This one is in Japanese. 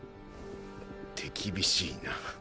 手厳しいな。